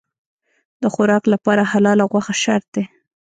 د خوراک لپاره حلاله غوښه شرط دی.